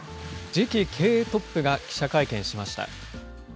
次期経営トップが記者会見しました。